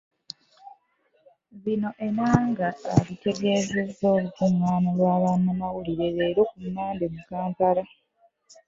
Bino Enanga abitegeezezza olukungaana lwa bannamawulire leero ku Mmande mu Kampala.